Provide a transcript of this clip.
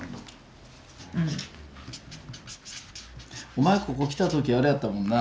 お前ここ来た時あれやったもんな。